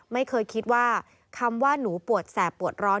ไม่เคยคิดว่าคำว่าหนูปวดแสบปวดร้อน